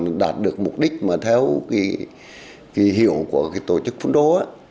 muốn đạt được mục đích mà theo kỳ hiệu của tổ chức phun rô